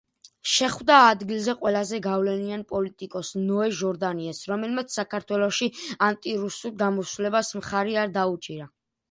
შეხვდა ადგილზე ყველაზე გავლენიან პოლიტიკოს ნოე ჟორდანიას, რომელმაც საქართველოში ანტირუსულ გამოსვლებს მხარი არ დაუჭირა.